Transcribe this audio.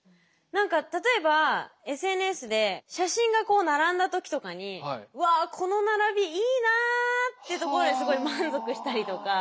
何か例えばＳＮＳで写真がこう並んだ時とかに「わこの並びいいな」ってところですごい満足したりとか。